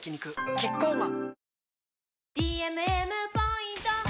キッコーマン